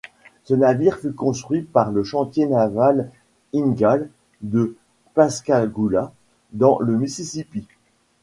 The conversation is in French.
Ce navire fut construit par le chantier naval Ingalls de Pascagoula, dans le Mississippi.